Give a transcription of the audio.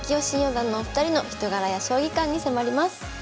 新四段のお二人の人柄や将棋観に迫ります。